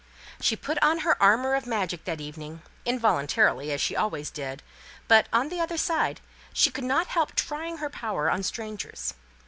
She put on her armour of magic that evening involuntarily as she always did; but, on the other side, she could not help trying her power on strangers.